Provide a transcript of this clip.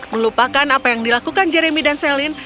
melupakan apa yang dilakukan jeremy dan celine